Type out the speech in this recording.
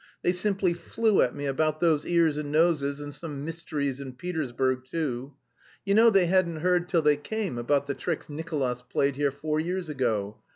They simply flew at me about those ears and noses, and some mysteries in Petersburg too. You know they hadn't heard till they came about the tricks Nicolas played here four years ago.